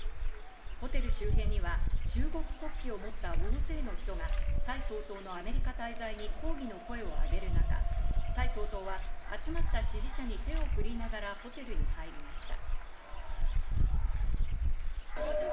ホテル周辺には中国国旗を持った大勢の人がサイ総統のアメリカ滞在に抗議の声を上げる中、サイ総統は集まった支持者に手を振りながらホテルに入りました。